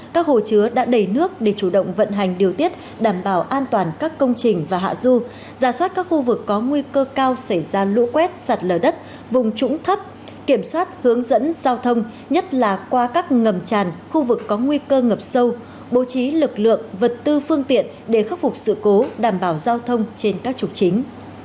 các hồ chứa đã đầy nước để chủ động vận hành điều tiết đảm bảo an toàn các công trình và hạ du giả soát các khu vực có nguy cơ cao xảy ra lũ quét sạt lờ đất vùng trũng thấp kiểm soát hướng dẫn giao thông nhất là qua các ngầm tràn khu vực có nguy cơ ngập sâu bố trí lực lượng vật tư phương tiện để khắc phục sự cố đảm bảo giao thông trên các trục chính